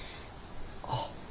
あっ。